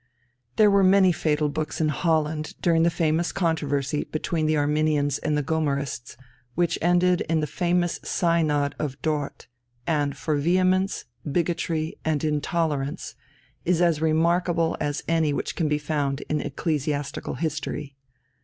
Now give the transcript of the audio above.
There were many Fatal Books in Holland during the famous controversy between the Arminians and the Gomarists, which ended in the famous Synod of Dort, and for vehemence, bigotry, and intolerance is as remarkable as any which can be found in ecclesiastical history.